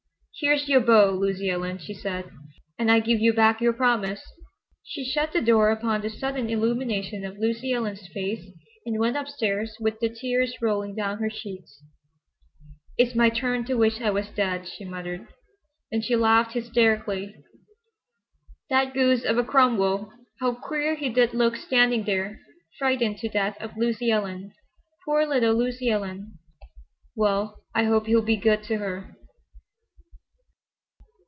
"Here's your beau, Lucy Ellen," she said, "and I give you back your promise." She shut the door upon the sudden illumination of Lucy Ellen's face and went up stairs with the tears rolling down her cheeks. "It's my turn to wish I was dead," she muttered. Then she laughed hysterically. "That goose of a Cromwell! How queer he did look standing there, frightened to death of Lucy Ellen. Poor little Lucy Ellen! Well, I hope he'll be good to her."